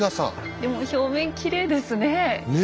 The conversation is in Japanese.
でも表面きれいですねえ。